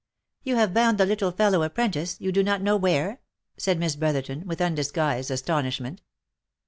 " You have bound the little fellow apprentice, you do not know where?" said Miss Brotherton, with undisguised astonishment.